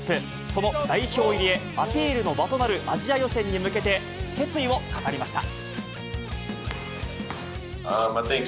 その代表入りへ、アピールの場となるアジア予選に向けて、決意を語りました。